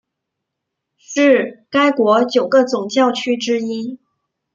是该国九个总教区之一。